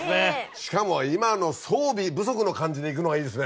しかも今の装備不足の感じで行くのがいいですね。